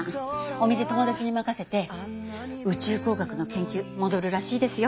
お店友達に任せて宇宙工学の研究戻るらしいですよ。